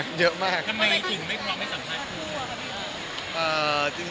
ตอนนี้จริงไม่ตอบไม่สำคัญ